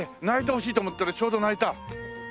鳴いてほしいと思ったらちょうど鳴いた！